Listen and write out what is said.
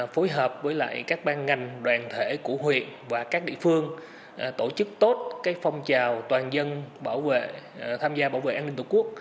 phối hợp với các ban ngành đoàn thể của huyện và các địa phương tổ chức tốt phong trào toàn dân tham gia bảo vệ an ninh tổ quốc